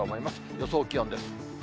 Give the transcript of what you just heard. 予想気温です。